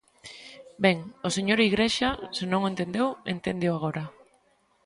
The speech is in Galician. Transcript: Ben, o señor Igrexa, se non o entendeu, enténdeo agora.